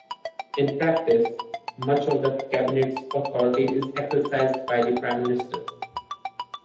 In practice, much of the Cabinet's authority is exercised by the Prime Minister.